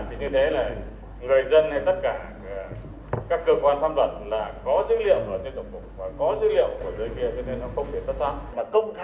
chính như thế là người dân hay tất cả các cơ quan tham luận là có dữ liệu của tổng phục